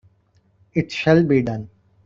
It shall be done!